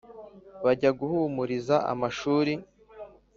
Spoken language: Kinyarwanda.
Bajya guhumuriza amashuri,